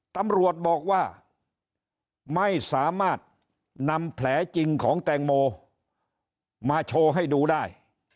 ตำรวจบอกว่าไม่สามารถนำแผลจริงของแตงโมมาโชว์ให้ดูได้